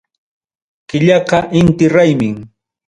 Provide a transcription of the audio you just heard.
Killaqa Inti Raymim.